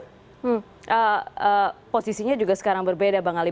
hmm posisinya juga sekarang berbeda bang ali